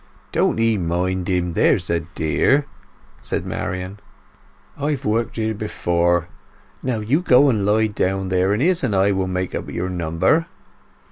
"Don't 'ee mind him, there's a dear," said Marian. "I've worked here before. Now you go and lie down there, and Izz and I will make up your number."